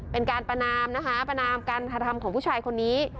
เป็นการประนามนะคะประนามการกระทำของผู้ชายคนนี้